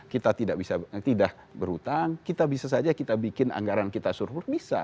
kita tidak bisa tidak berhutang kita bisa saja kita bikin anggaran kita support bisa